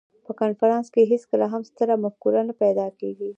په کنفرانس کې هېڅکله هم ستره مفکوره نه پیدا کېږي.